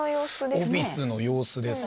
オフィスの様子です。